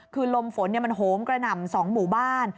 คือลมฝนมันโหมกระหน่ำ๒หมู่บ้าน